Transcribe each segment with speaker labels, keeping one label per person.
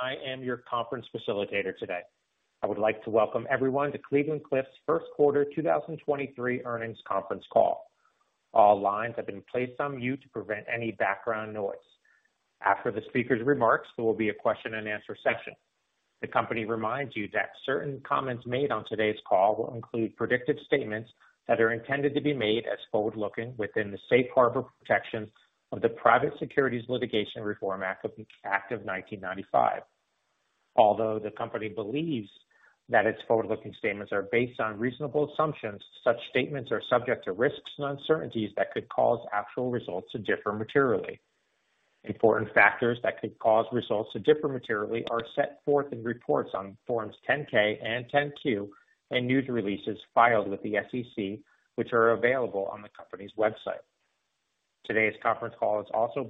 Speaker 1: I am your conference facilitator today. I would like to welcome everyone to Cleveland-Cliffs First Quarter 2023 Earnings Conference Call. All lines have been placed on mute to prevent any background noise. After the speaker's remarks, there will be a Q&A session. The company reminds you that certain comments made on today's call will include predictive statements that are intended to be made as forward-looking within the safe harbor protection of the Private Securities Litigation Reform Act of 1995. Although the company believes that its forward-looking statements are based on reasonable assumptions, such statements are subject to risks and uncertainties that could cause actual results to differ materially. Important factors that could cause results to differ materially are set forth in reports on Forms 10-K and 10-Q and news releases filed with the SEC, which are available on the company's website. Today's conference call is also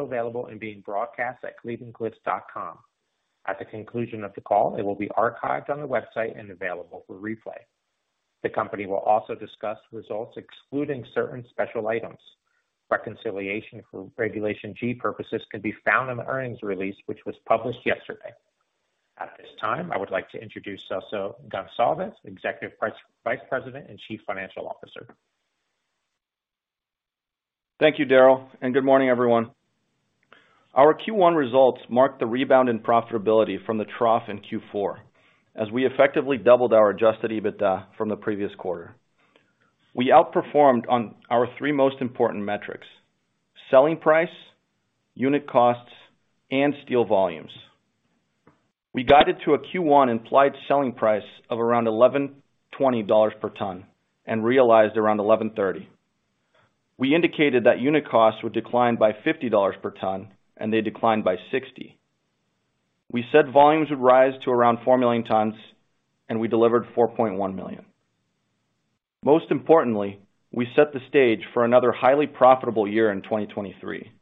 Speaker 1: available and being broadcast at clevelandcliffs.com. At the conclusion of the call, it will be archived on the website and available for replay. The company will also discuss results excluding certain special items. Reconciliation for Regulation G purposes can be found in the earnings release, which was published yesterday. At this time, I would like to introduce Celso Goncalves, Executive Vice President and Chief Financial Officer.
Speaker 2: Thank you, Daryl, and good morning, everyone. Our Q1 results marked the rebound in profitability from the trough in Q4, as we effectively doubled our adjusted EBITDA from the previous quarter. We outperformed on our 3 most important metrics: selling price, unit costs, and steel volumes. We guided to a Q1 implied selling price of around $1,120 per ton, and realized around $1,130. We indicated that unit costs would decline by $50 per ton. They declined by $60. We said volumes would rise to around 4 million tons. We delivered 4.1 million. Most importantly, we set the stage for another highly profitable year in 2023,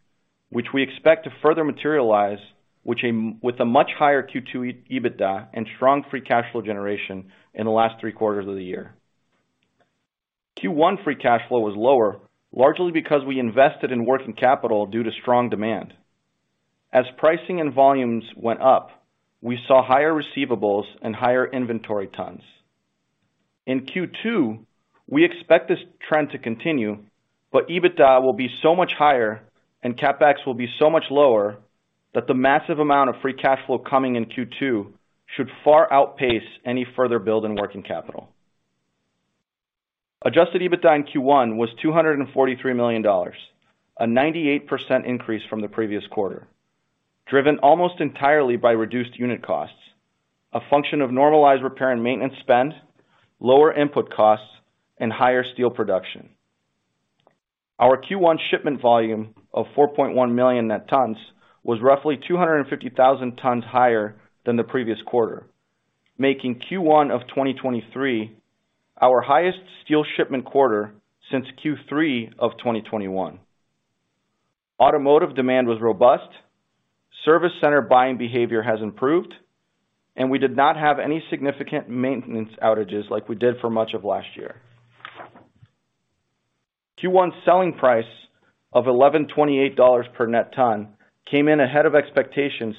Speaker 2: which we expect to further materialize, with a much higher Q2 EBITDA and strong free cash flow generation in the last three quarters of the year. Q1 free cash flow was lower, largely because we invested in working capital due to strong demand. As pricing and volumes went up, we saw higher receivables and higher inventory tons. In Q2, we expect this trend to continue, EBITDA will be so much higher and CapEx will be so much lower that the massive amount of free cash flow coming in Q2 should far outpace any further build in working capital. Adjusted EBITDA in Q1 was $243 million, a 98% increase from the previous quarter, driven almost entirely by reduced unit costs, a function of normalized repair and maintenance spend, lower input costs, and higher steel production. Our Q1 shipment volume of 4.1 million net tons was roughly 250,000 tons higher than the previous quarter, making Q1 of 2023 our highest steel shipment quarter since Q3 of 2021. Automotive demand was robust, service center buying behavior has improved, and we did not have any significant maintenance outages like we did for much of last year. Q1 selling price of $1,128 per net ton came in ahead of expectations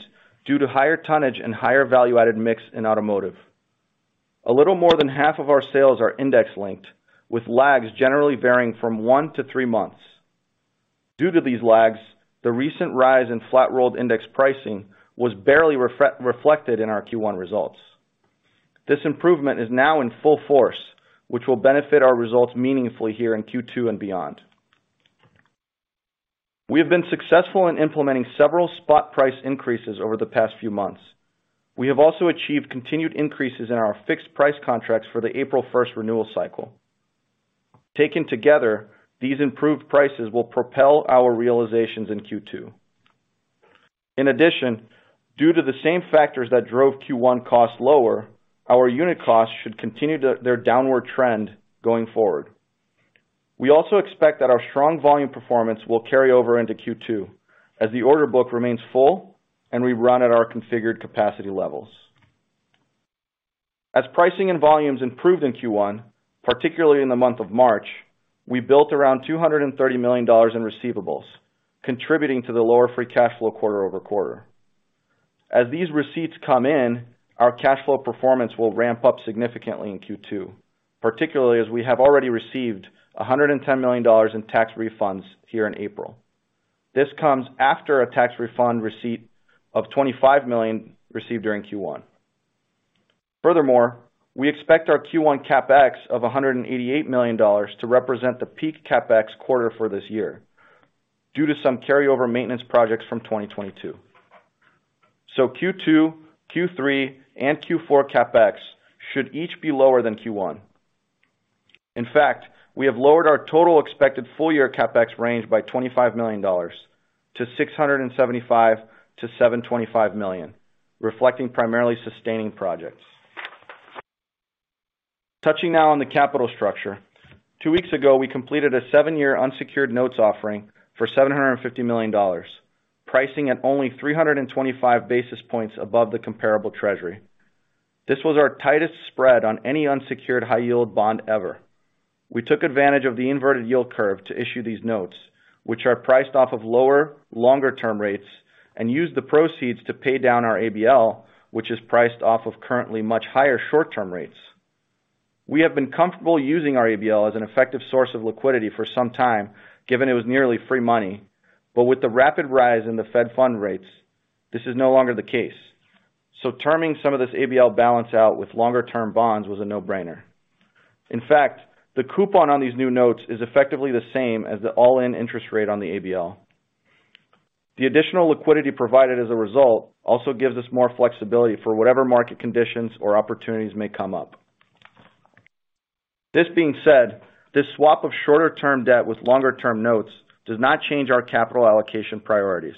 Speaker 2: due to higher tonnage and higher value-added mix in automotive. A little more than half of our sales are index-linked, with lags generally varying from 1 to 3 months. Due to these lags, the recent rise in flat-rolled index pricing was barely reflected in our Q1 results. This improvement is now in full force, which will benefit our results meaningfully here in Q2 and beyond. We have been successful in implementing several spot price increases over the past few months. We have also achieved continued increases in our fixed price contracts for the April first renewal cycle. Taken together, these improved prices will propel our realizations in Q2. In addition, due to the same factors that drove Q1 costs lower, our unit costs should continue their downward trend going forward. We also expect that our strong volume performance will carry over into Q2 as the order book remains full and we run at our configured capacity levels. As pricing and volumes improved in Q1, particularly in the month of March, we built around $230 million in receivables, contributing to the lower free cash flow quarter-over-quarter. As these receipts come in, our cash flow performance will ramp up significantly in Q2, particularly as we have already received $110 million in tax refunds here in April. This comes after a tax refund receipt of $25 million received during Q1. Furthermore, we expect our Q1 CapEx of $188 million to represent the peak CapEx quarter for this year due to some carryover maintenance projects from 2022. Q2, Q3, and Q4 CapEx should each be lower than Q1. In fact, we have lowered our total expected full-year CapEx range by $25 million to $675 million-$725 million, reflecting primarily sustaining projects. Touching now on the capital structure. Two weeks ago, we completed a 7-year unsecured notes offering for $750 million, pricing at only 325 basis points above the comparable Treasury. This was our tightest spread on any unsecured high yield bond ever. We took advantage of the inverted yield curve to issue these notes, which are priced off of lower, longer-term rates, and used the proceeds to pay down our ABL, which is priced off of currently much higher short-term rates. We have been comfortable using our ABL as an effective source of liquidity for some time, given it was nearly free money. With the rapid rise in the Federal Funds rates, this is no longer the case. Terming some of this ABL balance out with longer-term bonds was a no-brainer. In fact, the coupon on these new notes is effectively the same as the all-in interest rate on the ABL. The additional liquidity provided as a result also gives us more flexibility for whatever market conditions or opportunities may come up. This being said, this swap of shorter-term debt with longer-term notes does not change our capital allocation priorities.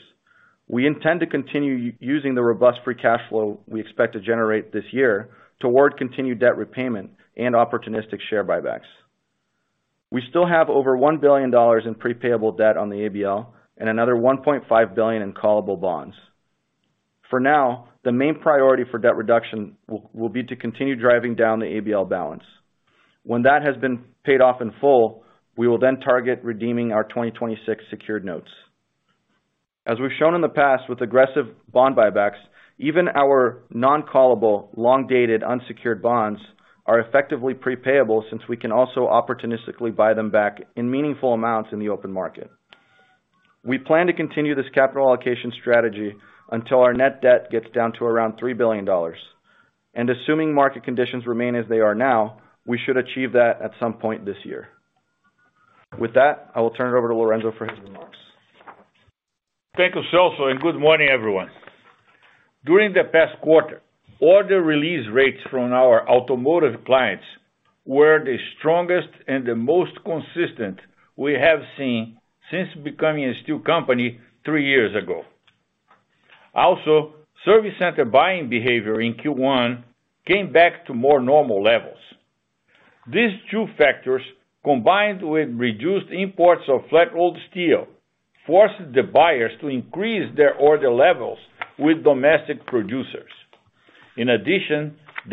Speaker 2: We intend to continue using the robust free cash flow we expect to generate this year toward continued debt repayment and opportunistic share buybacks. We still have over $1 billion in pre-payable debt on the ABL and another $1.5 billion in callable bonds. For now, the main priority for debt reduction will be to continue driving down the ABL balance. When that has been paid off in full, we will then target redeeming our 2026 secured notes. As we've shown in the past with aggressive bond buybacks, even our non-callable, long-dated, unsecured bonds are effectively pre-payable since we can also opportunistically buy them back in meaningful amounts in the open market. We plan to continue this capital allocation strategy until our net debt gets down to around $3 billion. Assuming market conditions remain as they are now, we should achieve that at some point this year. With that, I will turn it over to Lourenco for his remarks.
Speaker 3: Thank you, Celso. Good morning, everyone. During the past quarter, order release rates from our automotive clients were the strongest and the most consistent we have seen since becoming a steel company three years ago. Service center buying behavior in Q1 came back to more normal levels. These two factors, combined with reduced imports of flat-rolled steel, forced the buyers to increase their order levels with domestic producers. In addition,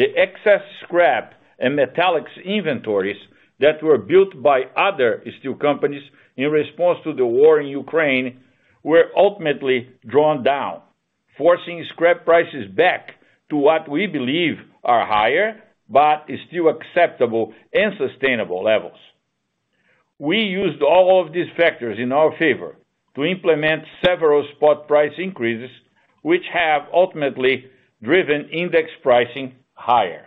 Speaker 3: The excess scrap and metallics inventories that were built by other steel companies in response to the war in Ukraine were ultimately drawn down, forcing scrap prices back to what we believe are higher, but still acceptable and sustainable levels. We used all of these factors in our favor to implement several spot price increases, which have ultimately driven index pricing higher.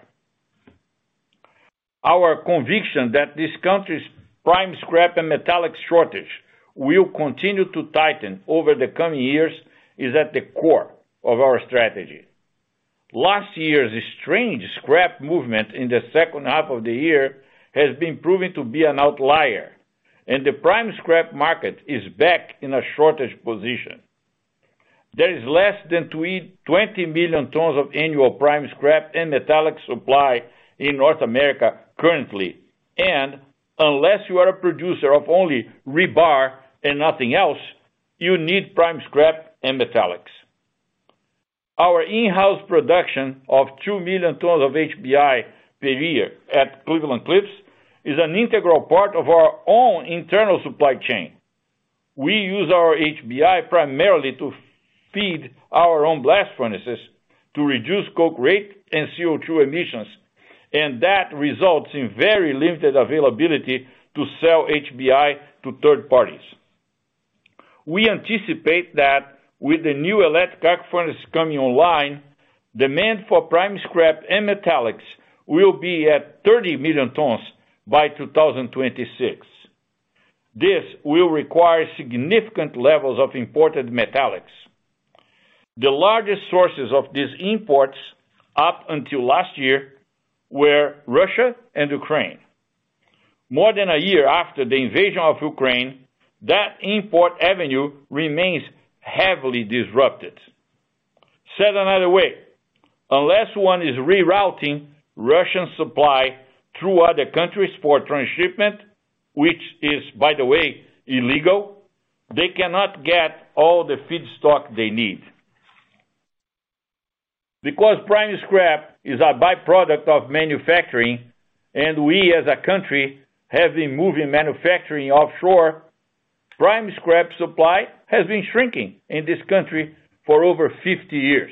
Speaker 3: Our conviction that this country's prime scrap and metallic shortage will continue to tighten over the coming years is at the core of our strategy. Last year's strange scrap movement in the second half of the year has been proven to be an outlier. The prime scrap market is back in a shortage position. There is less than 20 million tons of annual prime scrap and metallic supply in North America currently. Unless you are a producer of only rebar and nothing else, you need prime scrap and metallics. Our in-house production of 2 million tons of HBI per year at Cleveland-Cliffs is an integral part of our own internal supply chain. We use our HBI primarily to feed our own blast furnaces to reduce coke rate and CO2 emissions. That results in very limited availability to sell HBI to third parties. We anticipate that with the new electric arc furnace coming online, demand for prime scrap and metallics will be at 30 million tons by 2026. This will require significant levels of imported metallics. The largest sources of these imports, up until last year, were Russia and Ukraine. More than a year after the invasion of Ukraine, that import avenue remains heavily disrupted. Said another way, unless one is rerouting Russian supply through other countries for transshipment, which is, by the way, illegal, they cannot get all the feedstock they need. Because prime scrap is a by-product of manufacturing, and we, as a country have been moving manufacturing offshore, prime scrap supply has been shrinking in this country for over 50 years.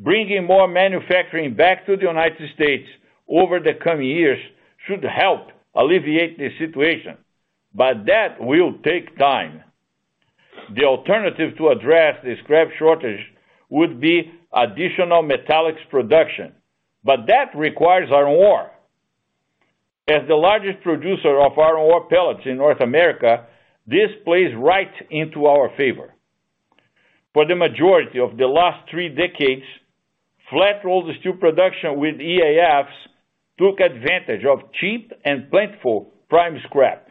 Speaker 3: Bringing more manufacturing back to the United States over the coming years should help alleviate the situation, but that will take time. The alternative to address the scrap shortage would be additional metallics production. That requires iron ore. As the largest producer of iron ore pellets in North America, this plays right into our favor. For the majority of the last three decades, flat-rolled steel production with EAFs took advantage of cheap and plentiful prime scrap.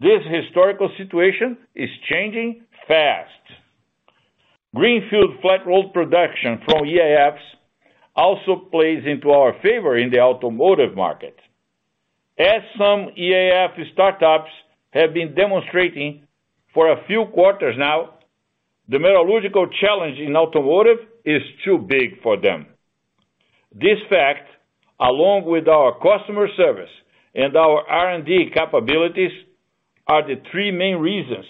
Speaker 3: This historical situation is changing fast. Greenfield flat-rolled production from EAFs also plays into our favor in the automotive market. As some EAF startups have been demonstrating for a few quarters now, the metallurgical challenge in automotive is too big for them. This fact, along with our customer service and our R&D capabilities, are the three main reasons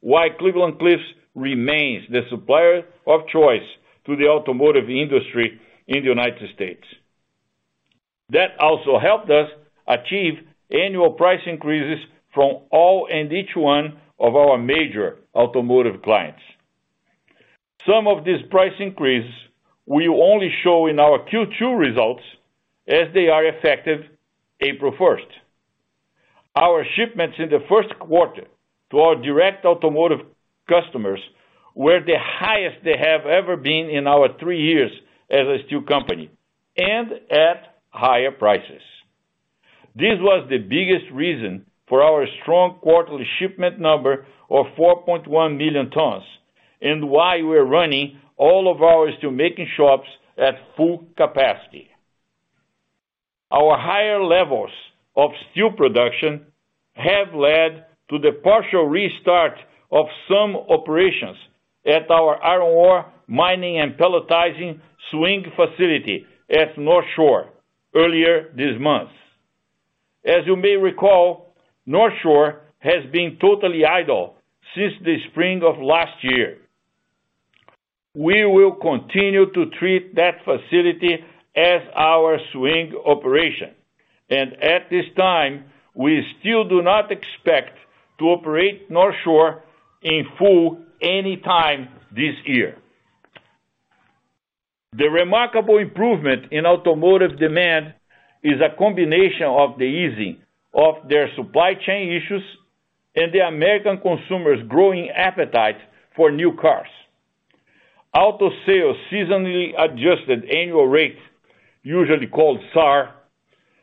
Speaker 3: why Cleveland-Cliffs remains the supplier of choice to the automotive industry in the United States. That also helped us achieve annual price increases from all and each one of our major automotive clients. Some of these price increases will only show in our Q2 results as they are effective April first. Our shipments in the Q1 to our direct automotive customers were the highest they have ever been in our three years as a steel company, and at higher prices. This was the biggest reason for our strong quarterly shipment number of 4.1 million tons, and why we're running all of our steel making shops at full capacity. Our higher levels of steel production have led to the partial restart of some operations at our iron ore mining and pelletizing swing facility at North Shore earlier this month. As you may recall, North Shore has been totally idle since the spring of last year. We will continue to treat that facility as our swing operation. At this time, we still do not expect to operate North Shore in full any time this year. The remarkable improvement in automotive demand is a combination of the easing of their supply chain issues and the American consumers' growing appetite for new cars. Auto sales seasonally adjusted annual rate, usually called SAAR,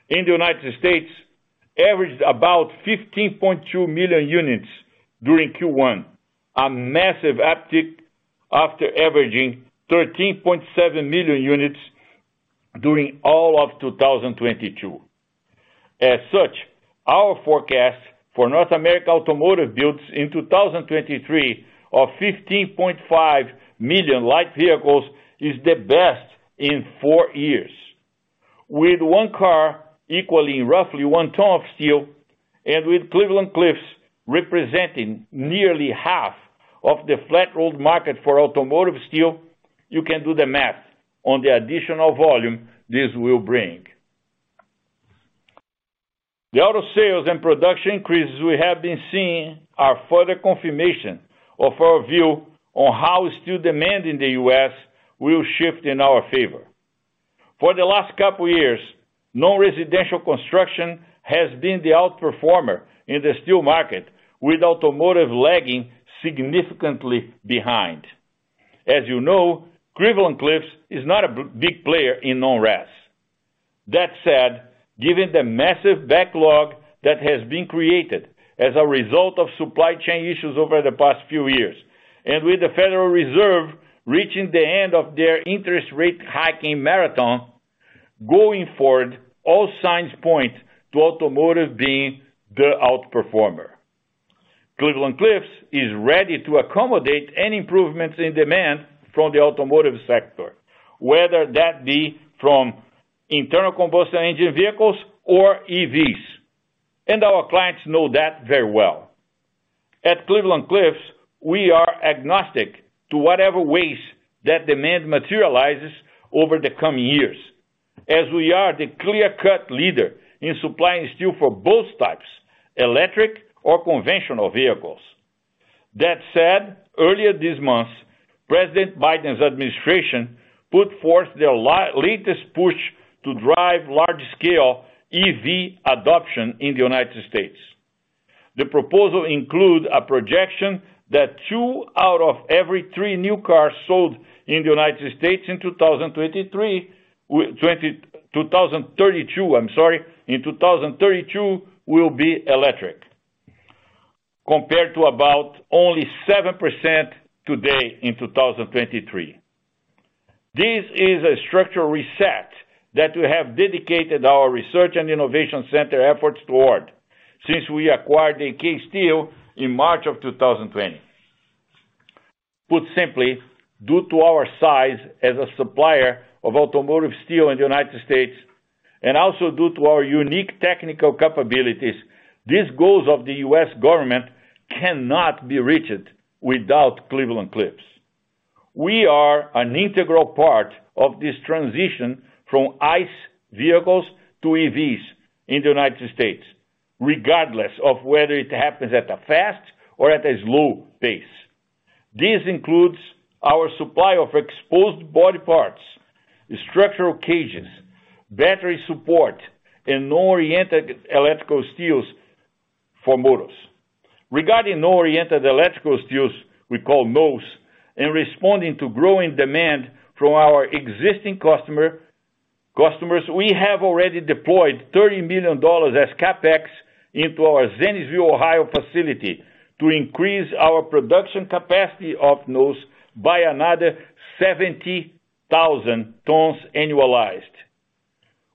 Speaker 3: in the United States averaged about 15.2 million units during Q1, a massive uptick after averaging 13.7 million units during all of 2022. As such, our forecast for North America automotive builds in 2023 of 15.5 million light vehicles is the best in four years. With one car equaling roughly one ton of steel, and with Cleveland-Cliffs representing nearly half of the flat-rolled market for automotive steel, you can do the math on the additional volume this will bring. The auto sales and production increases we have been seeing are further confirmation of our view on how steel demand in the U.S. will shift in our favor. For the last couple years, non-residential construction has been the outperformer in the steel market, with automotive lagging significantly behind. As you know, Cleveland-Cliffs is not a big player in non-res. That said, given the massive backlog that has been created as a result of supply chain issues over the past few years, and with the Federal Reserve reaching the end of their interest rate hiking marathon, going forward, all signs point to automotive being the outperformer. Cleveland-Cliffs is ready to accommodate any improvements in demand from the automotive sector, whether that be from internal combustion engine vehicles or EVs. Our clients know that very well. At Cleveland-Cliffs, we are agnostic to whatever ways that demand materializes over the coming years, as we are the clear-cut leader in supplying steel for both types, electric or conventional vehicles. Earlier this month, President Biden's administration put forth their latest push to drive large scale EV adoption in the United States. The proposal include a projection that two out of every three new cars sold in the United States in 2023, I'm sorry, in 2032 will be electric, compared to about only 7% today in 2023. This is a structural reset that we have dedicated our research and innovation center efforts toward since we acquired AK Steel in March of 2020. Put simply, due to our size as a supplier of automotive steel in the United States, and also due to our unique technical capabilities, these goals of the U.S. government cannot be reached without Cleveland-Cliffs. We are an integral part of this transition from ICE vehicles to EVs in the United States, regardless of whether it happens at a fast or at a slow pace. This includes our supply of exposed body parts, structural cages, battery support, and oriented electrical steels for motors. Regarding oriented electrical steels, we call NOES, and responding to growing demand from our existing customers, we have already deployed $30 million as CapEx into our Zanesville, Ohio facility to increase our production capacity of NOES by another 70,000 tons annualized.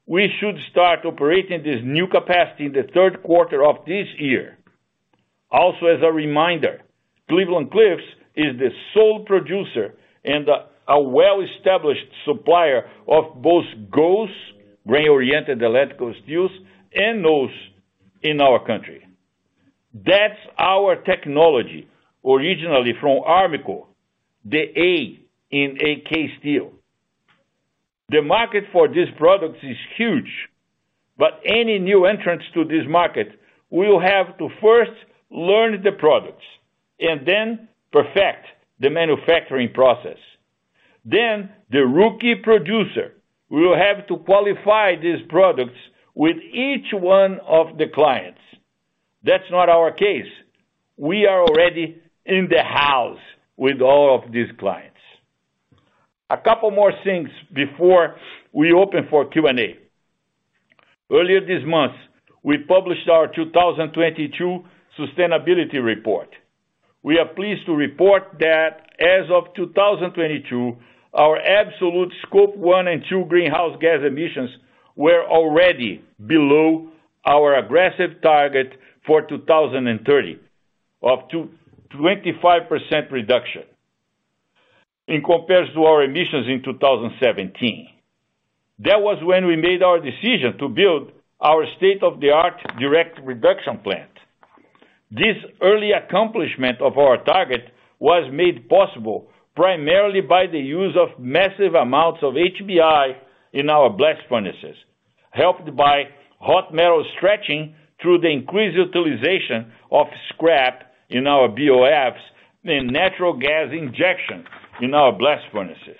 Speaker 3: We should start operating this new capacity in the Q3 of this year. As a reminder, Cleveland-Cliffs is the sole producer and a well-established supplier of both GOES, grain-oriented electrical steels, and NOES in our country. That's our technology, originally from Armco, the A in AK Steel. The market for these products is huge, but any new entrants to this market will have to first learn the products and perfect the manufacturing process. The rookie producer will have to qualify these products with each one of the clients. That's not our case. We are already in the house with all of these clients. A couple more things before we open for Q&A. Earlier this month, we published our 2022 Sustainability Report. We are pleased to report that as of 2022, our absolute Scope 1 and 2 greenhouse gas emissions were already below our aggressive target for 2030 of 25% reduction in comparison to our emissions in 2017. That was when we made our decision to build our state-of-the-art direct reduction plant. This early accomplishment of our target was made possible primarily by the use of massive amounts of HBI in our blast furnaces, helped by hot metal stretching through the increased utilization of scrap in our BOFs and natural gas injection in our blast furnaces.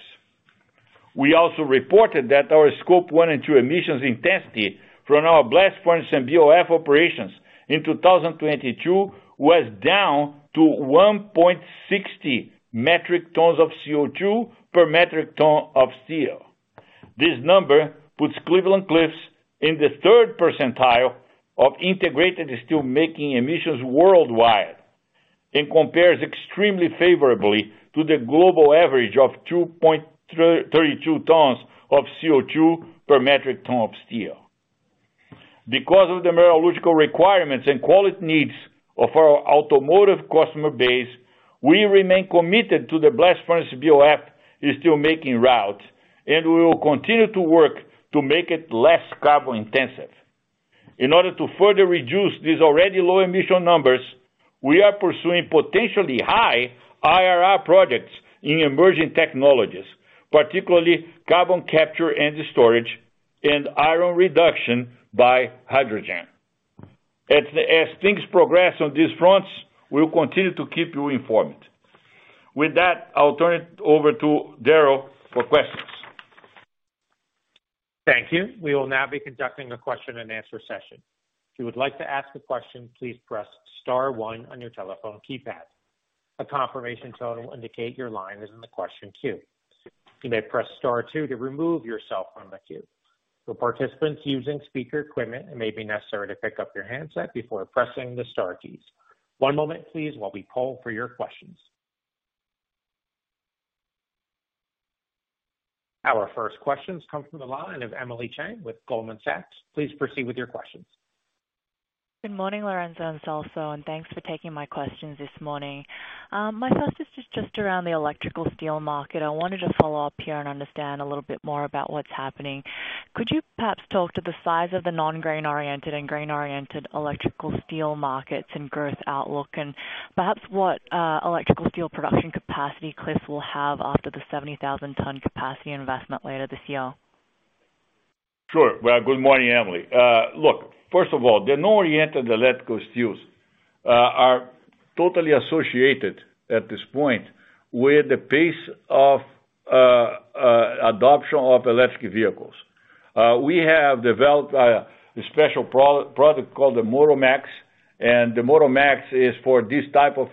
Speaker 3: We also reported that our Scope 1 and 2 emissions intensity from our blast furnace and BOF operations in 2022 was down to 1.60 metric tons of CO2 per metric ton of steel. This number puts Cleveland-Cliffs in the third percentile of integrated steelmaking emissions worldwide and compares extremely favorably to the global average of 2.32 tons of CO2 per metric ton of steel. Because of the metallurgical requirements and quality needs of our automotive customer base, we remain committed to the blast furnace BOF steelmaking route, and we will continue to work to make it less carbon intensive. In order to further reduce these already low emission numbers, we are pursuing potentially high IRR projects in emerging technologies, particularly carbon capture and storage and iron reduction by hydrogen. As things progress on these fronts, we'll continue to keep you informed. With that, I'll turn it over to Daryl for questions.
Speaker 1: Thank you. We will now be conducting a Q&A session. If you would like to ask a question, please press star one on your telephone keypad. A confirmation tone will indicate your line is in the question queue. You may press star two to remove yourself from the queue. For participants using speaker equipment, it may be necessary to pick up your handset before pressing the star keys. One moment, please, while we poll for your questions. Our first question comes from the line of Emily Chieng with Goldman Sachs. Please proceed with your questions.
Speaker 4: Good morning, Lourenco and Celso, thanks for taking my questions this morning. My first is just around the electrical steel market. I wanted to follow up here and understand a little bit more about what's happening. Could you perhaps talk to the size of the non-grain-oriented and grain-oriented electrical steel markets and growth outlook, perhaps what electrical steel production capacity Cliffs will have after the 70,000 ton capacity investment later this year?
Speaker 3: Sure. Well, good morning, Emily. Look, first of all, the non-oriented electrical steels are totally associated at this point with the pace of adoption of electric vehicles. We have developed a special product called the MOTOR-MAX, and the MOTOR-MAX is for this type of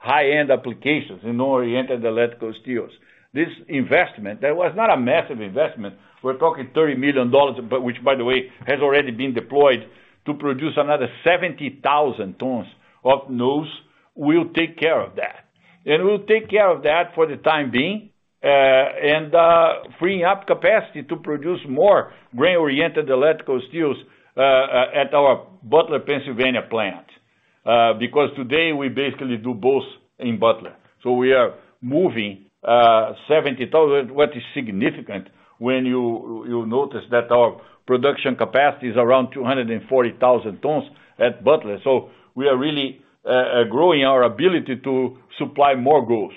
Speaker 3: high-end applications in non-oriented electrical steels. This investment, that was not a massive investment. We're talking $30 million, but which, by the way, has already been deployed to produce another 70,000 tons of NOES will take care of that. Will take care of that for the time being, and freeing up capacity to produce more grain-oriented electrical steels at our Butler, Pennsylvania plant, because today we basically do both in Butler. We are moving 70,000, what is significant when you notice that our production capacity is around 240,000 tons at Butler. We are really growing our ability to supply more GOES.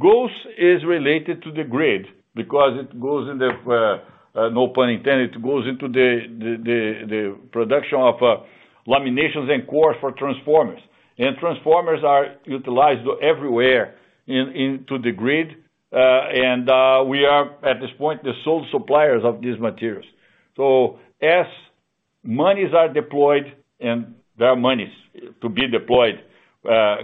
Speaker 3: GOES is related to the grid because it goes in the, no pun intended, it goes into the production of laminations and cores for transformers. Transformers are utilized everywhere in to the grid. We are, at this point, the sole suppliers of these materials. As monies are deployed, and they are monies to be deployed,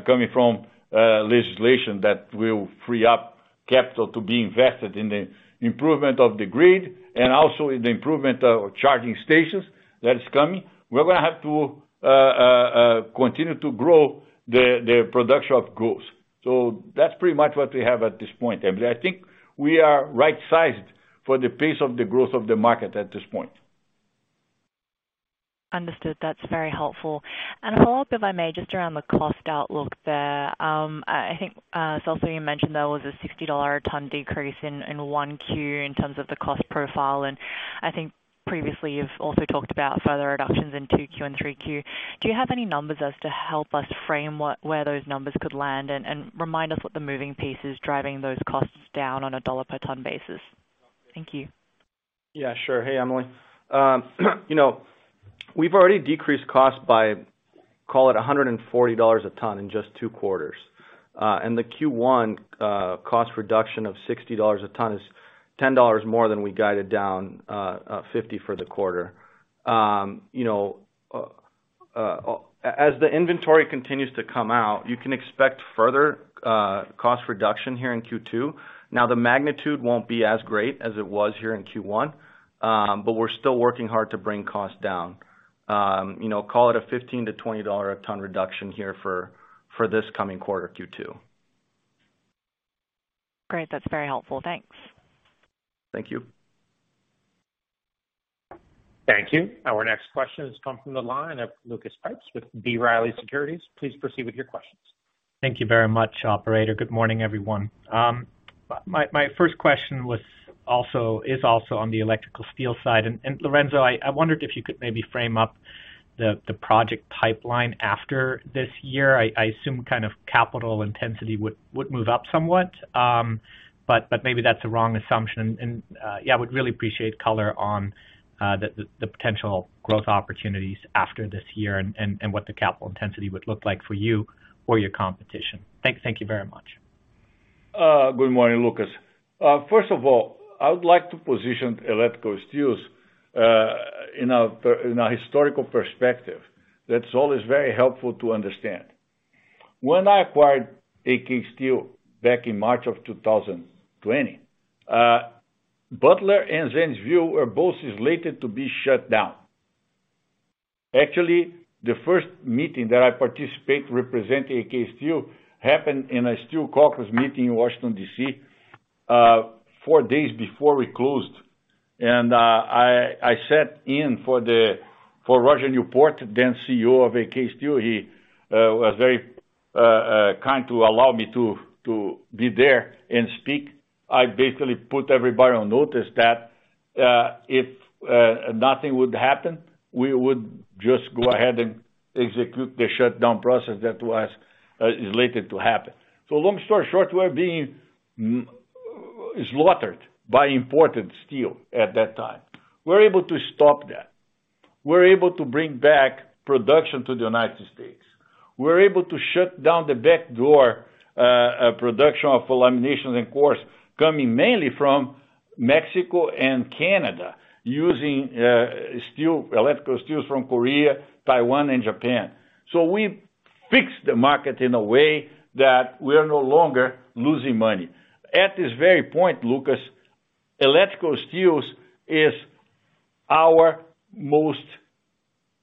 Speaker 3: coming from legislation that will free up capital to be invested in the improvement of the grid and also in the improvement of charging stations that is coming. We're gonna have to continue to grow the production of growth. So that's pretty much what we have at this point, Emily. I think we are right-sized for the pace of the growth of the market at this point.
Speaker 4: Understood. That's very helpful. A follow-up, if I may, just around the cost outlook there. I think Celso, you mentioned there was a $60 a ton decrease in Q1 in terms of the cost profile, and I think previously you've also talked about further reductions in Q2 and Q3. Do you have any numbers as to help us frame where those numbers could land, and remind us what the moving pieces driving those costs down on a $ per ton basis? Thank you.
Speaker 2: Yeah, sure. Hey, Emily. you know, we've already decreased cost by, call it $140 a ton in just two quarters. The Q1 cost reduction of $60 a ton is $10 more than we guided down 50 for the quarter. you know, as the inventory continues to come out, you can expect further cost reduction here in Q2. Now, the magnitude won't be as great as it was here in Q1, we're still working hard to bring costs down. you know, call it a $15 to $20 a ton reduction here for this coming quarter, Q2.
Speaker 4: Great. That's very helpful. Thanks.
Speaker 2: Thank you.
Speaker 1: Thank you. Our next question has come from the line of Lucas Pipes with B. Riley Securities. Please proceed with your questions.
Speaker 5: Thank you very much, operator. Good morning, everyone. My first question is also on the electrical steel side. Lourenco, I wondered if you could maybe frame up the project pipeline after this year. I assume kind of capital intensity would move up somewhat, but maybe that's the wrong assumption. Would really appreciate color on the potential growth opportunities after this year and what the capital intensity would look like for you or your competition. Thank you very much.
Speaker 3: Good morning, Lucas. First of all, I would like to position electrical steels in a historical perspective. That's always very helpful to understand. When I acquired AK Steel back in March of 2020, Butler and Zanesville were both slated to be shut down. Actually, the first meeting that I participate representing AK Steel happened in a Steel Caucus meeting in Washington, D.C., four days before we closed. I sat in for Roger Newport, then CEO of AK Steel. He was very kind to allow me to be there and speak. I basically put everybody on notice that if nothing would happen, we would just go ahead and execute the shutdown process that was slated to happen. Long story short, we're being slaughtered by imported steel at that time. We're able to stop that. We're able to bring back production to the United States. We're able to shut down the back door production of laminations and cores coming mainly from Mexico and Canada using electrical steels from Korea, Taiwan, and Japan. We fixed the market in a way that we're no longer losing money. At this very point, Lucas, electrical steels is our most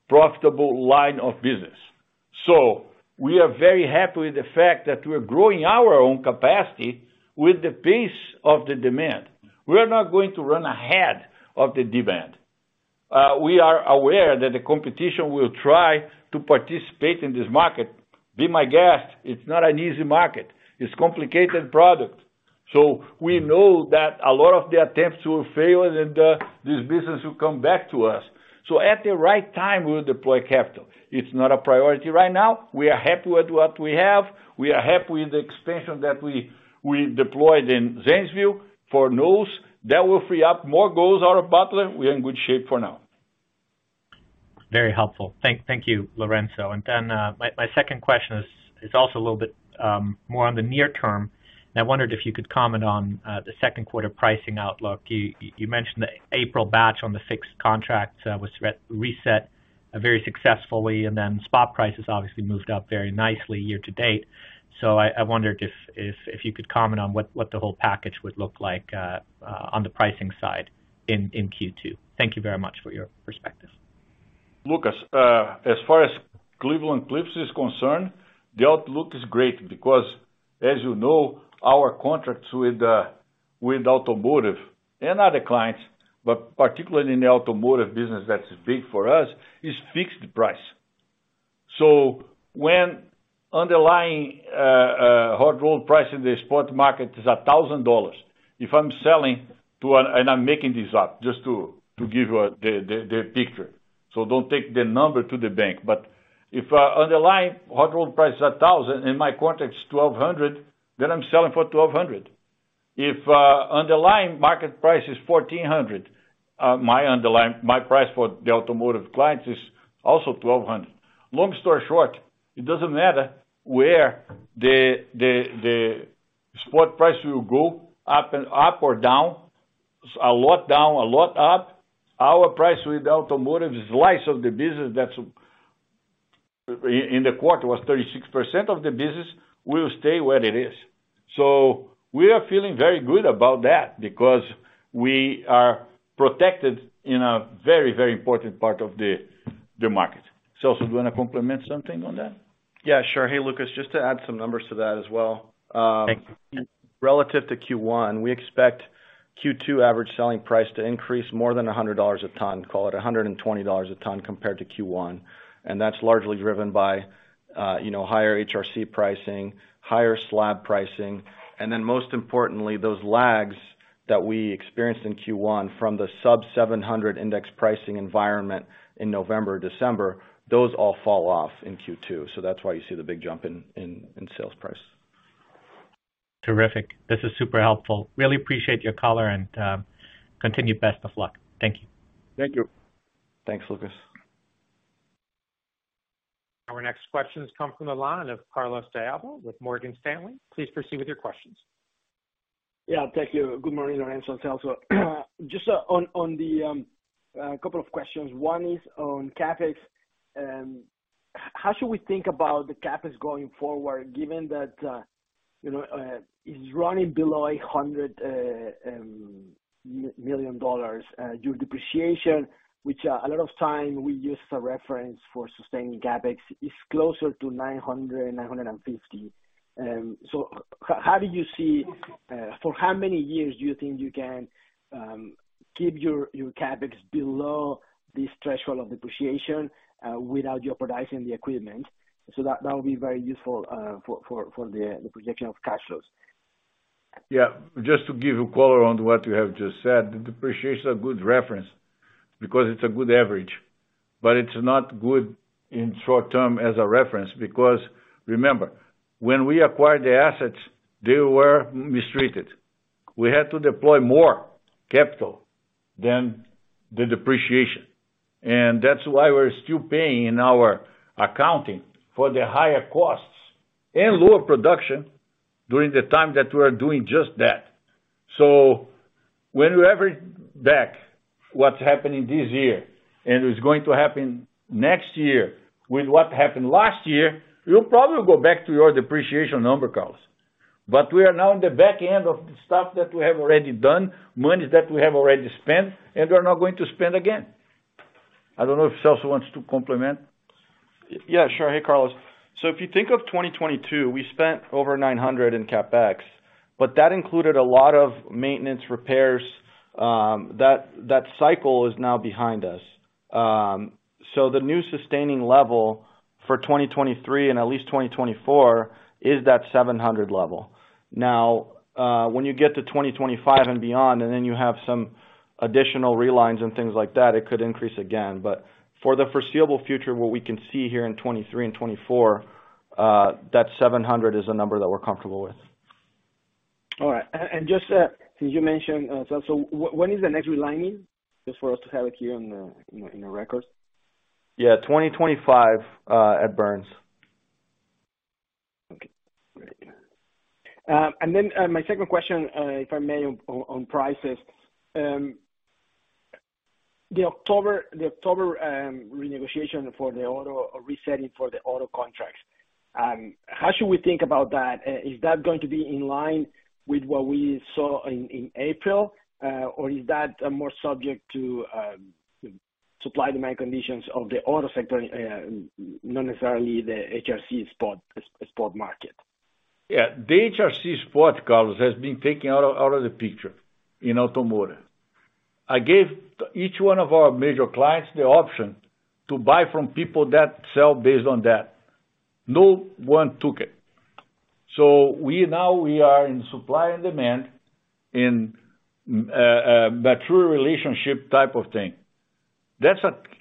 Speaker 3: profitable line of business. We are very happy with the fact that we're growing our own capacity with the pace of the demand. We're not going to run ahead of the demand. We are aware that the competition will try to participate in this market. Be my guest. It's not an easy market. It's complicated product. We know that a lot of the attempts will fail and this business will come back to us. At the right time, we'll deploy capital. It's not a priority right now. We are happy with what we have. We are happy with the expansion that we deployed in Zanesville for NOES. That will free up more GOES out of Butler. We're in good shape for now.
Speaker 5: Very helpful. Thank you, Lourenco. Then, my second question is also a little bit more on the near term. I wondered if you could comment on the Q2 pricing outlook. You mentioned the April batch on the fixed contract was reset very successfully, and then spot prices obviously moved up very nicely year to date. I wondered if you could comment on what the whole package would look like on the pricing side in Q2. Thank you very much for your perspective.
Speaker 3: Lucas, as far as Cleveland-Cliffs is concerned, the outlook is great because, as you know, our contracts with automotive and other clients, but particularly in the automotive business that's big for us, is fixed price. When underlying hot-rolled price in the spot market is $1,000, if I'm selling to, so I'm making this up just to give you the picture. Don't take the number to the bank. If underlying hot-rolled price is $1,000 and my contract is $1,200, then I'm selling for $1,200. If underlying market price is $1,400, my price for the automotive clients is also $1,200. Long story short, it doesn't matter where the spot price will go up or down. A lot down, a lot up. Our price with automotive slice of the business that's in the quarter was 36% of the business will stay where it is. We are feeling very good about that because we are protected in a very, very important part of the market. Celso, do you wanna complement something on that?
Speaker 2: Yeah, sure. Hey, Lucas. Just to add some numbers to that as well.
Speaker 5: Thank you.
Speaker 2: Relative to Q1, we expect Q2 average selling price to increase more than $100 a ton, call it $120 a ton compared to Q1. That's largely driven by higher HRC pricing, higher slab pricing, and then most importantly, those lags that we experienced in Q1 from the sub 700 index pricing environment in November, December, those all fall off in Q2. That's why you see the big jump in sales price.
Speaker 5: Terrific. This is super helpful. Really appreciate your color and continued best of luck. Thank you.
Speaker 3: Thank you.
Speaker 2: Thanks, Lucas.
Speaker 1: Our next question comes from the line of Carlos De Alba with Morgan Stanley. Please proceed with your questions.
Speaker 6: Yeah. Thank you. Good morning, Lourenco and Celso. Just on the a couple of questions. One is on CapEx. How should we think about the CapEx going forward, given that, you know, it's running below $100 million, due depreciation, which a lot of time we use a reference for sustaining CapEx is closer to $900 million- $950 million. How do you see for how many years do you think you can keep your CapEx below this threshold of depreciation without jeopardizing the equipment? That would be very useful for the projection of cash flows.
Speaker 3: Yeah. Just to give you color on what you have just said, the depreciation is a good reference because it's a good average, but it's not good in short-term as a reference because remember, when we acquired the assets, they were mistreated. We had to deploy more capital than the depreciation. That's why we're still paying in our accounting for the higher costs and lower production during the time that we are doing just that. When you average back what's happening this year and is going to happen next year with what happened last year, you'll probably go back to your depreciation number, Carlos. We are now in the back end of the stuff that we have already done, moneys that we have already spent, and we're not going to spend again. I don't know if Celso wants to complement.
Speaker 2: Yeah, sure. Hey, Carlos. If you think of 2022, we spent over $900 million in CapEx, but that included a lot of maintenance repairs. That cycle is now behind us. The new sustaining level for 2023 and at least 2024 is that $700 million level. When you get to 2025 and beyond, and then you have some additional relines and things like that, it could increase again. For the foreseeable future, what we can see here in 2023 and 2024, that $700 million is a number that we're comfortable with.
Speaker 6: All right. Just, since you mentioned, Celso, when is the next relining? Just for us to have it here in the record.
Speaker 2: Yeah. 2025, at Burns.
Speaker 6: Okay. Great. My second question, if I may, on prices. The October renegotiation for the auto-resetting for the auto contracts, how should we think about that? Is that going to be in line with what we saw in April, or is that more subject to supply and demand conditions of the auto sector, not necessarily the HRC spot market?
Speaker 3: Yeah. The HRC spot, Carlos, has been taken out of the picture in automotive. I gave each one of our major clients the option to buy from people that sell based on that. No one took it. Now we are in supply and demand in a true relationship type of thing.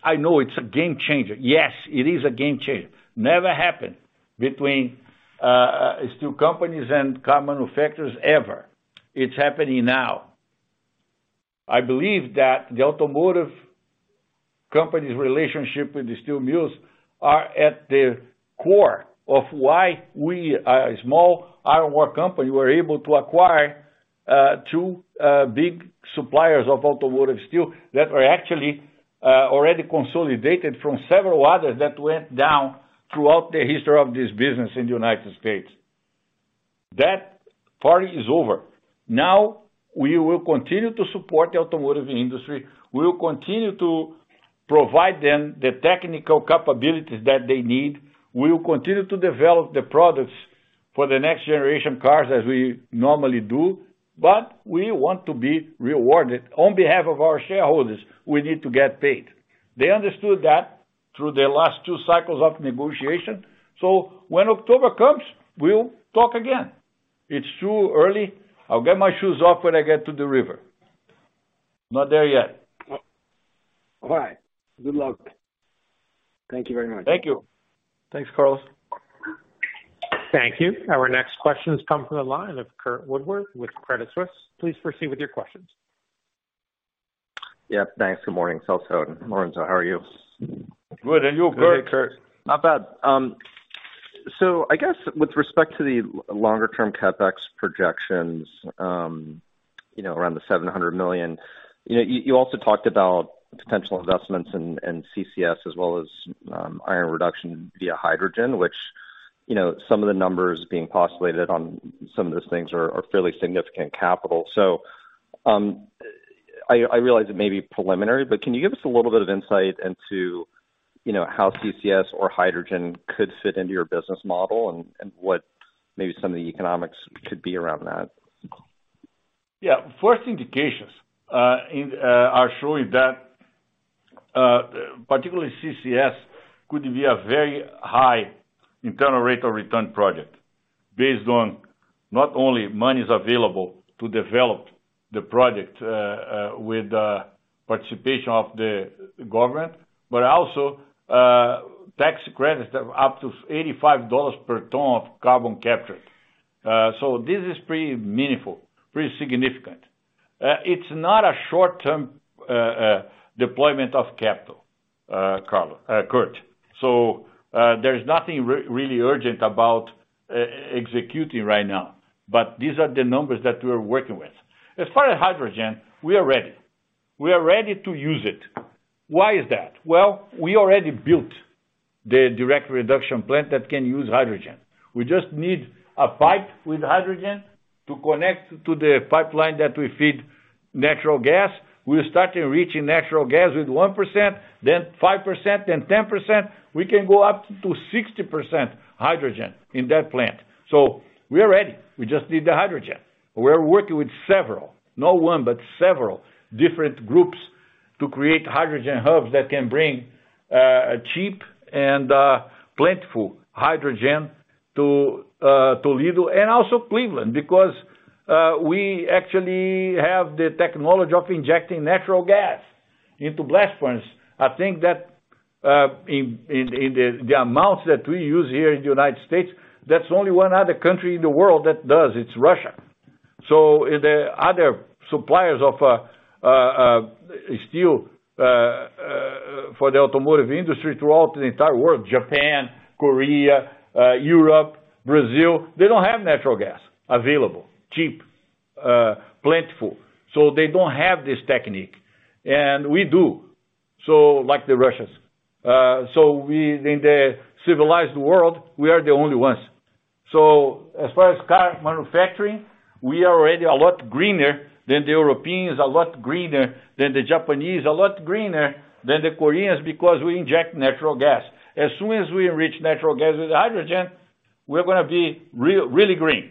Speaker 3: I know it's a game changer. Yes, it is a game changer. Never happened between steel companies and car manufacturers ever. It's happening now. I believe that the automotive company's relationship with the steel mills are at the core of why we are a small iron ore company. We're able to acquire two big suppliers of automotive steel that were actually already consolidated from several others that went down throughout the history of this business in the United States. That party is over. We will continue to support the automotive industry. We will continue to provide them the technical capabilities that they need. We will continue to develop the products for the next generation cars as we normally do. We want to be rewarded. On behalf of our shareholders, we need to get paid. They understood that through the last two cycles of negotiation. When October comes, we'll talk again. It's too early. I'll get my shoes off when I get to the river. Not there yet.
Speaker 6: All right. Good luck. Thank you very much.
Speaker 3: Thank you.
Speaker 2: Thanks, Carlos.
Speaker 1: Thank you. Our next question has come from the line of Curt Woodworth with Credit Suisse. Please proceed with your questions.
Speaker 7: Yeah. Thanks. Good morning, Celso and Lourenco. How are you?
Speaker 3: Good. And you, Curt?
Speaker 2: Hey, Curt.
Speaker 7: Not bad. I guess with respect to the longer term CapEx projections, you know, around the $700 million, you know, you also talked about potential investments in CCS as well as iron reduction via hydrogen, which, you know, some of the numbers being postulated on some of those things are fairly significant capital. I realize it may be preliminary, but can you give us a little bit of insight into, you know, how CCS or hydrogen could fit into your business model and what maybe some of the economics could be around that?
Speaker 3: Yeah. First indications are showing that particularly CCS could be a very high internal rate of return project based on not only monies available to develop the project with participation of the government, but also tax credits of up to $85 per ton of carbon captured. This is pretty meaningful, pretty significant. It's not a short-term deployment of capital, Curt. There's nothing really urgent about executing right now, but these are the numbers that we're working with. As far as hydrogen, we are ready. We are ready to use it. Why is that? Well, we already built the direct reduction plant that can use hydrogen. We just need a pipe with hydrogen to connect to the pipeline that we feed natural gas. We're starting reaching natural gas with 1%, then 5%, then 10%. We can go up to 60% hydrogen in that plant. We are ready. We just need the hydrogen. We're working with several, not one, but several different groups to create hydrogen hubs that can bring a cheap and plentiful hydrogen to Toledo and also Cleveland, because we actually have the technology of injecting natural gas into blast furnace. I think that in the amounts that we use here in the United States, that's only one other country in the world that does. It's Russia. The other suppliers of steel for the automotive industry throughout the entire world, Japan, Korea, Europe, Brazil, they don't have natural gas available, cheap, plentiful. They don't have this technique, and we do, so like the Russians. We- in the civilized world, we are the only ones. As far as car manufacturing, we are already a lot greener than the Europeans, a lot greener than the Japanese, a lot greener than the Koreans because we inject natural gas. As soon as we enrich natural gas with hydrogen, we're gonna be really green.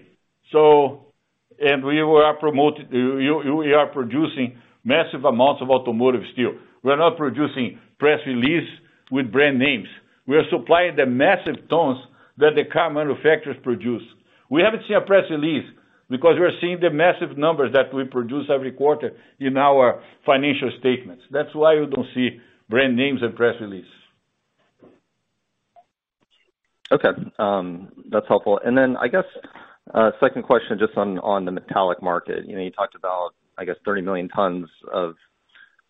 Speaker 3: We are promoting- we are producing massive amounts of automotive steel. We're not producing press release with brand names. We are supplying the massive tons that the car manufacturers produce. We haven't seen a press release because we're seeing the massive numbers that we produce every quarter in our financial statements. That's why you don't see brand names and press release.
Speaker 7: Okay. That's helpful. I guess, second question just on the metallic market. You know, you talked about, I guess, 30 million tons of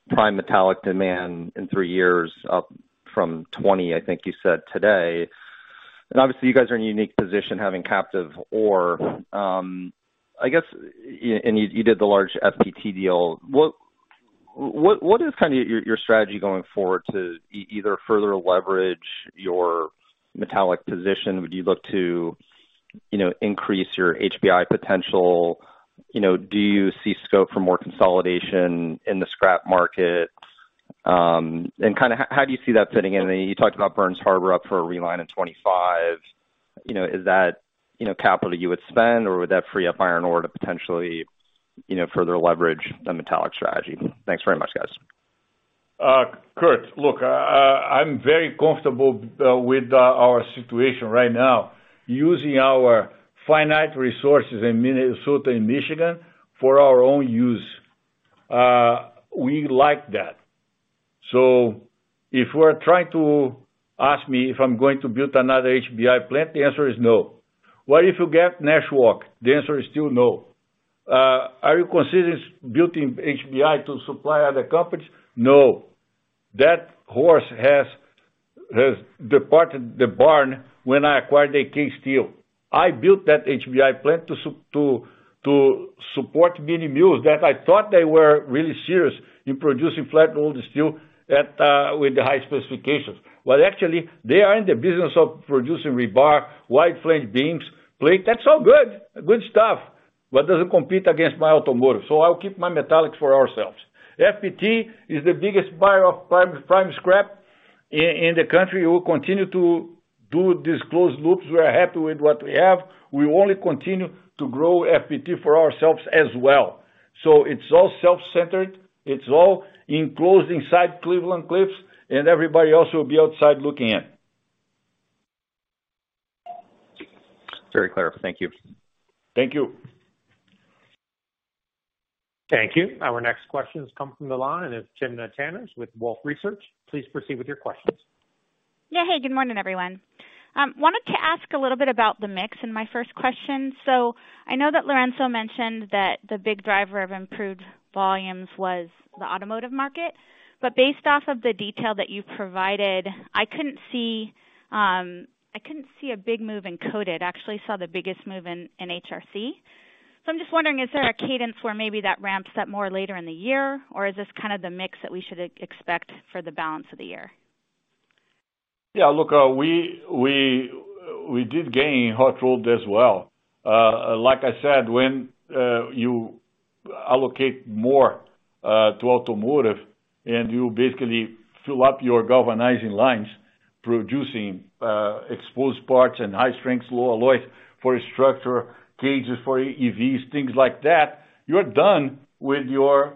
Speaker 7: prime metallic demand in three years, up from 20, I think you said today. Obviously, you guys are in a unique position having captive ore. You, you did the large FPT deal. What is kind of your strategy going forward to either further leverage your metallic position? Would you look to, you know, increase your HBI potential? You know, do you see scope for more consolidation in the scrap market? Kind of how do you see that fitting in? You talked about Burns Harbor up for a reline in 2025. You know, is that, you know, capital you would spend, or would that free up iron ore to potentially, you know, further leverage the metallic strategy? Thanks very much, guys.
Speaker 3: Curt, look, I'm very comfortable with our situation right now, using our finite resources in Minnesota and Michigan for our own use. We like that. If we're trying to ask me if I'm going to build another HBI plant, the answer is no. What if you get Nashwauk? The answer is still no. Are you considering building HBI to supply other companies? No. That horse has departed the barn when I acquired AK Steel. I built that HBI plant to support mini mills that I thought they were really serious in producing flat-rolled steel with the high specifications. Actually they are in the business of producing rebar, wide flange beams, plate. That's all good stuff, but doesn't compete against my automotive. I'll keep my metallics for ourselves. FPT is the biggest buyer of prime scrap in the country. We'll continue to do these closed loops. We are happy with what we have. We only continue to grow FPT for ourselves as well. It's all self-centered. It's all enclosed inside Cleveland-Cliffs, and everybody else will be outside looking in.
Speaker 7: Very clear. Thank you.
Speaker 3: Thank you.
Speaker 1: Thank you. Our next question comes from the line, and it's Timna Tanners with Wolfe Research. Please proceed with your questions.
Speaker 8: Yeah. Hey, good morning, everyone. wanted to ask a little bit about the mix in my first question. I know that Lourenco mentioned that the big driver of improved volumes was the automotive market. But based off of the detail that you provided, I couldn't see, I couldn't see a big move in coated. I actually saw the biggest move in HRC. I'm just wondering, is there a cadence where maybe that ramps up more later in the year, or is this kind of the mix that we should expect for the balance of the year?
Speaker 3: Yeah, look, we did gain hot-rolleded as well. Like I said, when you allocate more to automotive and you basically fill up your galvanizing lines producing exposed parts and High-Strength Low-Alloy for structure, cages for EVs, things like that, you're done with your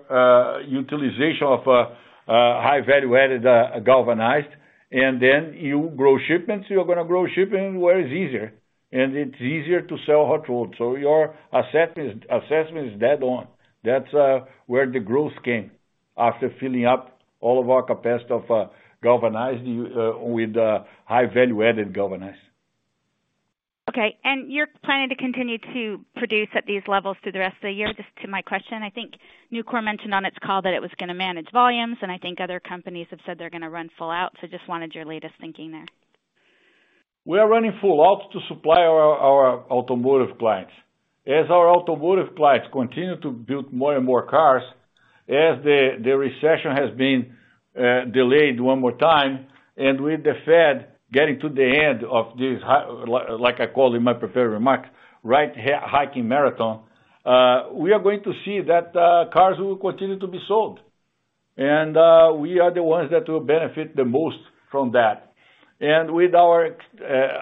Speaker 3: utilization of a high value-added galvanized. You grow shipments. You're gonna grow shipping where it's easier, it's easier to sell hot-rolleded. Your assessment is dead on. That's where the growth came after filling up all of our capacity of galvanized with high value-added galvanized.
Speaker 8: Okay. You're planning to continue to produce at these levels through the rest of the year? Just to my question, I think Nucor mentioned on its call that it was gonna manage volumes, and I think other companies have said they're gonna run full out. Just wanted your latest thinking there.
Speaker 3: We are running full out to supply our automotive clients. Our automotive clients continue to build more and more cars, as the recession has been delayed one more time, and with the Fed getting to the end of this like I call in my prepared remark, rate hiking marathon, we are going to see that cars will continue to be sold. We are the ones that will benefit the most from that. With our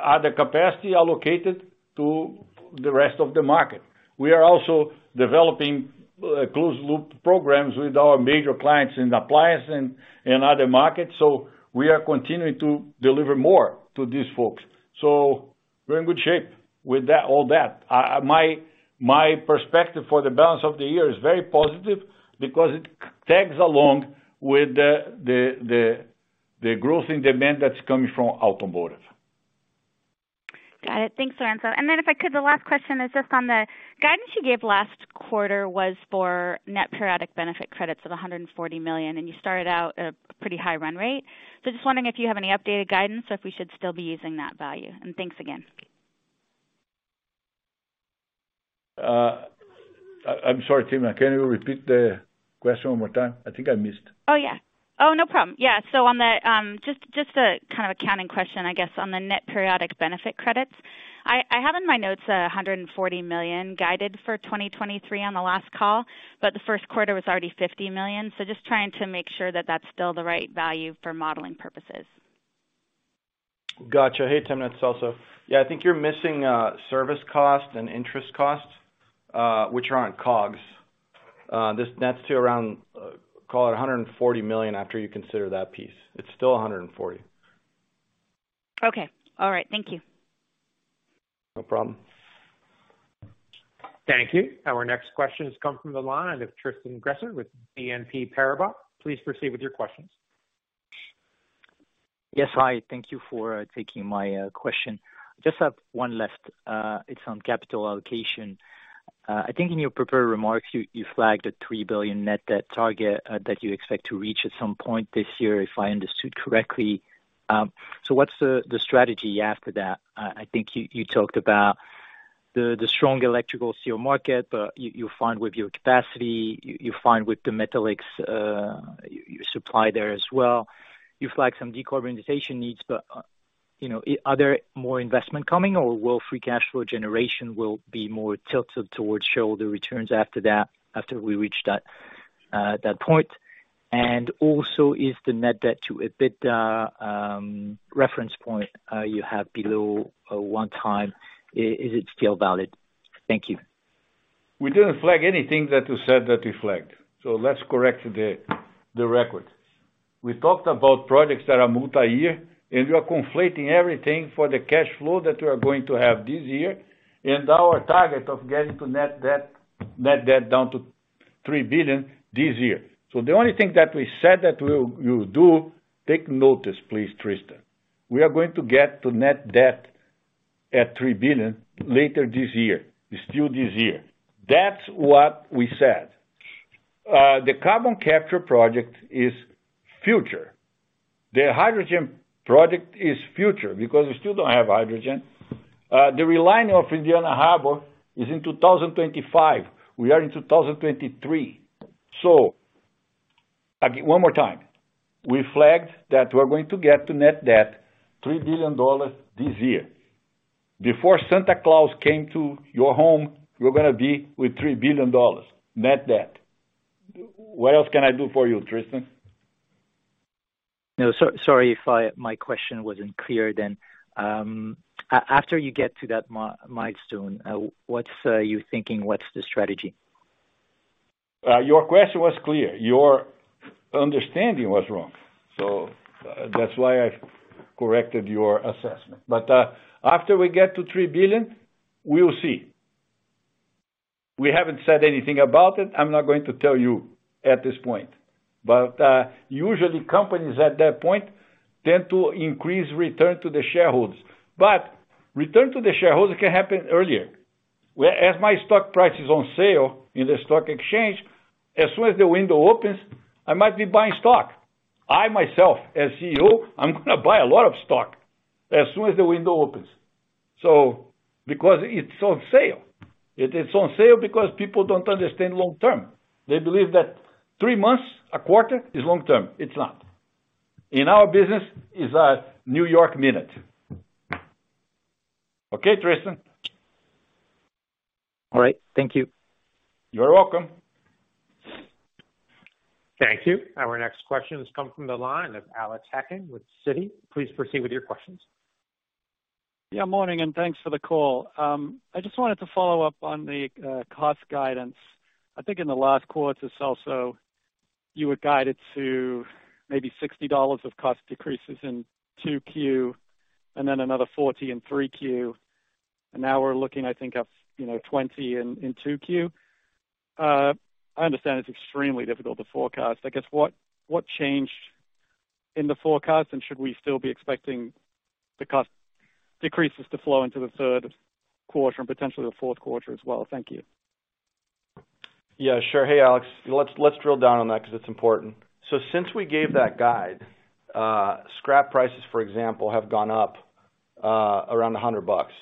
Speaker 3: other capacity allocated to the rest of the market. We are also developing closed loop programs with our major clients in appliance and other markets. We are continuing to deliver more to these folks. We're in good shape with that, all that. My perspective for the balance of the year is very positive because it tags along with the growth in demand that's coming from automotive.
Speaker 8: Got it. Thanks, Lourenco. If I could, the last question is just on the guidance you gave last quarter was for net periodic benefit credits of $140 million, and you started out at a pretty high run rate. Just wondering if you have any updated guidance or if we should still be using that value. Thanks again.
Speaker 3: I'm sorry, Timna. Can you repeat the question one more time? I think I missed.
Speaker 8: Yeah. No problem. Yeah. On the, just a kind of accounting question, I guess, on the net periodic benefit credits. I have in my notes $140 million guided for 2023 on the last call. The Q1 was already $50 million. Just trying to make sure that that's still the right value for modeling purposes.
Speaker 2: Gotcha. Hey, Timna. It's Celso. Yeah, I think you're missing service costs and interest costs, which are on COGS. This nets to around call it $140 million after you consider that piece. It's still $140.
Speaker 8: Okay. All right. Thank you.
Speaker 2: No problem.
Speaker 1: Thank you. Our next question has come from the line of Tristan Gresser with BNP Paribas. Please proceed with your questions.
Speaker 9: Yes. Hi. Thank you for taking my question. Just have 1 last. It's on capital allocation. I think in your prepared remarks, you flagged a $3 billion net debt target that you expect to reach at some point this year, if I understood correctly. What's the strategy after that? I think you talked about the strong electrical steel market, but you find with your capacity, you find with the metallics you supply there as well. You flagged some decarbonization needs, but, you know, are there more investment coming or will free cash flow generation be more tilted towards shareholder returns after that, after we reach that point? Also, is the net debt to EBITDA reference point you have below one time, is it still valid? Thank you.
Speaker 3: We didn't flag anything that you said that we flagged. Let's correct the record. We talked about projects that are multi-year, and you are conflating everything for the cash flow that we are going to have this year and our target of getting to net debt down to $3 billion this year. The only thing that we said that we'll do, take notice, please, Tristan. We are going to get to net debt at $3 billion later this year. It's still this year. That's what we said. The carbon capture project is future. The hydrogen project is future because we still don't have hydrogen. The relining of Indiana Harbor is in 2025. We are in 2023. Again, one more time. We flagged that we're going to get to net debt $3 billion this year. Before Santa Claus came to your home, we're gonna be with $3 billion net debt. What else can I do for you, Tristan?
Speaker 9: No, sorry if my question wasn't clear then. After you get to that milestone, what's you thinking? What's the strategy?
Speaker 3: Your question was clear. Your understanding was wrong. That's why I've corrected your assessment. After we get to $3 billion, we'll see. We haven't said anything about it. I'm not going to tell you at this point. Usually companies at that point tend to increase return to the shareholders. Return to the shareholders can happen earlier. As my stock price is on sale in the stock exchange, as soon as the window opens, I might be buying stock. I, myself, as CEO, I'm gonna buy a lot of stock as soon as the window opens. Because it's on sale. It is on sale because people don't understand long-term. They believe that three months, a quarter, is long-term. It's not. In our business, it's a New York minute. Okay, Tristan?
Speaker 9: All right. Thank you.
Speaker 3: You're welcome.
Speaker 1: Thank you. Our next question has come from the line of Alexander Hacking with Citi. Please proceed with your questions.
Speaker 10: Morning, and thanks for the call. I just wanted to follow up on the cost guidance. I think in the last quarter, Celso, you were guided to maybe $60 of cost decreases in Q2 and then another $40 in Q3. Now we're looking, I think, at you know, $20 in Q2. I understand it's extremely difficult to forecast. I guess what changed in the forecast? Should we still be expecting the cost decreases to flow into the Q3 and potentially the Q4 as well? Thank you.
Speaker 2: Yeah, sure. Hey, Alex, let's drill down on that 'cause it's important. Since we gave that guide, scrap prices, for example, have gone up around $100.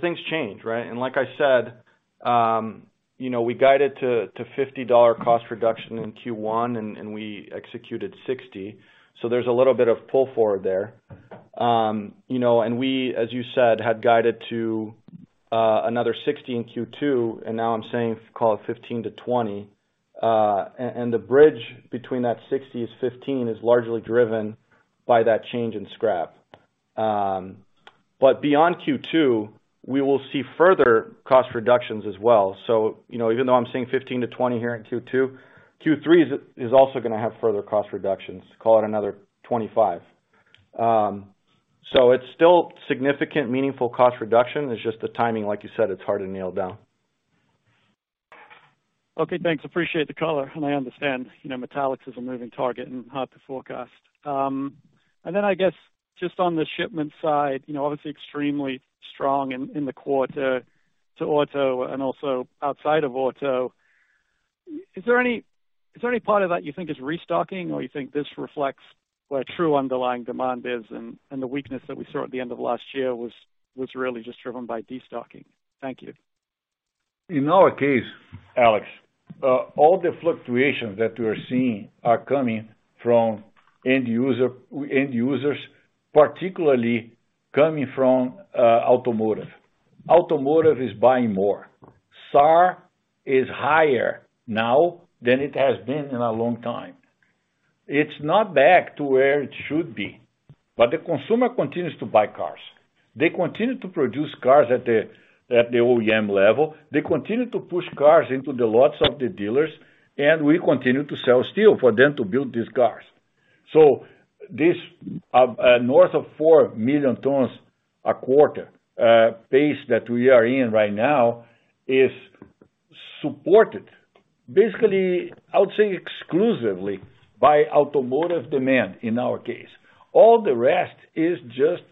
Speaker 2: Things change, right? And like I said, you know, we guided to $50 cost reduction in Q1, and we executed $60. There's a little bit of pull forward there. You know, and we, as you said, had guided to another $60 in Q2, and now I'm saying call it $15 to $20. And the bridge between that $60 and $15 is largely driven by that change in scrap. But beyond Q2, we will see further cost reductions as well. You know, even though I'm seeing $15 to $20 here in Q2, Q3 is also gonna have further cost reductions. Call it another $25. It's still significant, meaningful cost reduction. It's just the timing, like you said, it's hard to nail down.
Speaker 10: Okay, thanks. Appreciate the color. I understand, you know, metallics is a moving target and hard to forecast. Then I guess just on the shipment side, you know, obviously extremely strong in the quarter to auto and also outside of auto. Is there any part of that you think is restocking or you think this reflects where true underlying demand is and the weakness that we saw at the end of last year was really just driven by destocking? Thank you.
Speaker 3: In our case, Alex, all the fluctuations that we are seeing are coming from end users, particularly coming from automotive. Automotive is buying more. SAAR is higher now than it has been in a long time. It's not back to where it should be. The consumer continues to buy cars. They continue to produce cars at the OEM level. They continue to push cars into the lots of the dealers. We continue to sell steel for them to build these cars. This north of 4 million tons a quarter pace that we are in right now is supported, basically, I would say, exclusively by automotive demand in our case. All the rest is just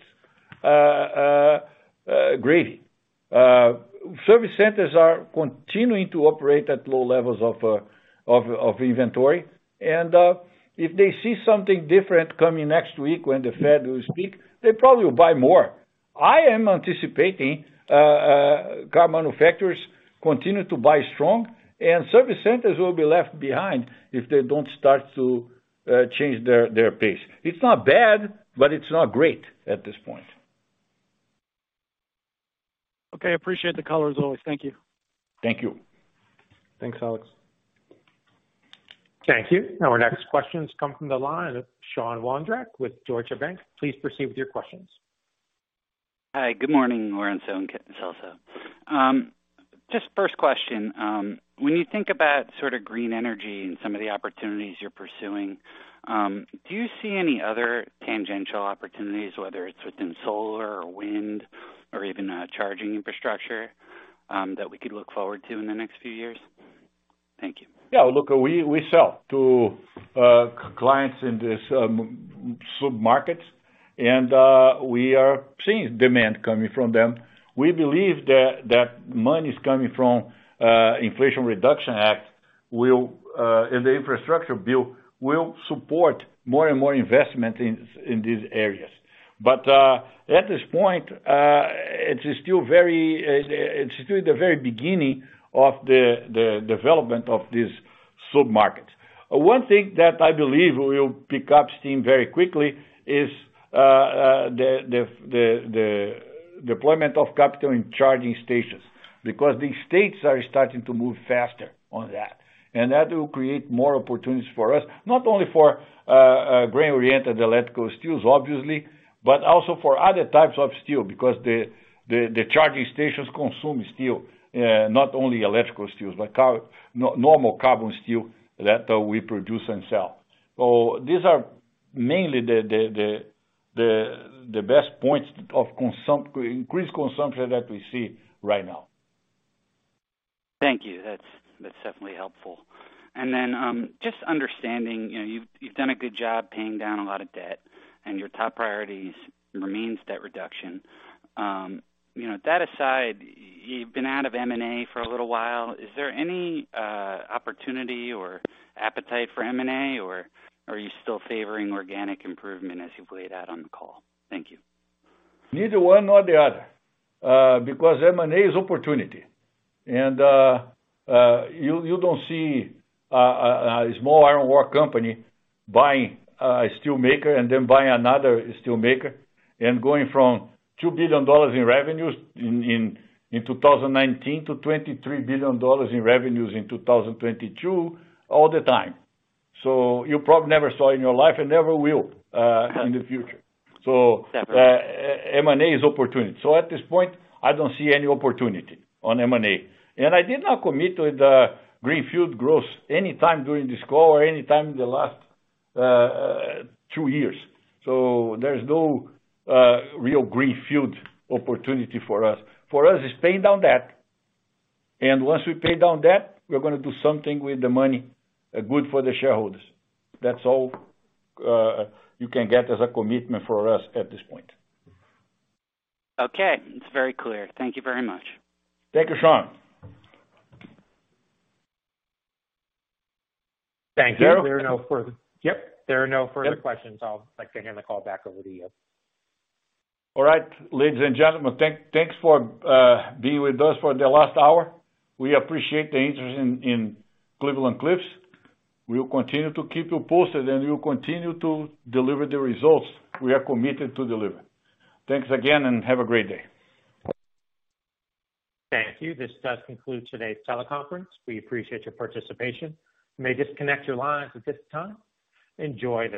Speaker 3: gravy. Service centers are continuing to operate at low levels of inventory. If they see something different coming next week when the Fed will speak, they probably will buy more. I am anticipating car manufacturers continue to buy strong, and service centers will be left behind if they don't start to change their pace. It's not bad, but it's not great at this point.
Speaker 10: Okay. Appreciate the color as always. Thank you.
Speaker 3: Thank you.
Speaker 2: Thanks, Alex.
Speaker 1: Thank you. Our next question's come from the line of Sean Wondrack with Deutsche Bank. Please proceed with your questions.
Speaker 10: Hi. Good morning, Lourenco and Celso. Just first question. When you think about sort of green energy and some of the opportunities you're pursuing, do you see any other tangential opportunities, whether it's within solar or wind or even charging infrastructure, that we could look forward to in the next few years? Thank you.
Speaker 3: Yeah. Look, we sell to clients in this submarkets, and we are seeing demand coming from them. We believe that money's coming from Inflation Reduction Act will and the infrastructure bill will support more and more investment in these areas. At this point, it is still very, it's still the very beginning of the development of these submarkets. One thing that I believe will pick up steam very quickly is the deployment of capital in charging stations, because these states are starting to move faster on that, and that will create more opportunities for us, not only for Grain-Oriented Electrical Steel, obviously, but also for other types of steel, because the charging stations consume steel, not only electrical steels, but normal carbon steel that we produce and sell. These are mainly the best points of increased consumption that we see right now.
Speaker 11: Thank you. That's definitely helpful. Then, just understanding, you know, you've done a good job paying down a lot of debt and your top priorities remains debt reduction. You know, that aside, you've been out of M&A for a little while. Is there any opportunity or appetite for M&A, or are you still favoring organic improvement as you've laid out on the call? Thank you.
Speaker 3: Neither one nor the other, because M&A is opportunity. You don't see a small iron ore company buying a steelmaker and then buying another steelmaker and going from $2 billion in revenues in 2019 to $23 billion in revenues in 2022 all the time. You probably never saw in your life and never will in the future. So, M&A is opportunity. At this point, I don't see any opportunity on M&A. I did not commit to the greenfield growth anytime during this call or any time in the last two years. There's no real greenfield opportunity for us. For us, it's paying down debt. Once we pay down debt, we're gonna do something with the money good for the shareholders. That's all you can get as a commitment for us at this point.
Speaker 11: Okay. It's very clear. Thank you very much.
Speaker 3: Thank you, Sean.
Speaker 1: Thank you. There are no further questions. Like to hand the call back over to you.
Speaker 3: All right, ladies and gentlemen, thanks for being with us for the last hour. We appreciate the interest in Cleveland-Cliffs. We'll continue to keep you posted. We will continue to deliver the results we are committed to deliver. Thanks again and have a great day.
Speaker 1: Thank you. This does conclude today's teleconference. We appreciate your participation. You may disconnect your lines at this time. Enjoy your day.